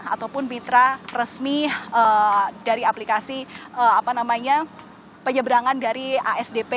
ataupun mitra resmi dari aplikasi penyeberangan dari asdp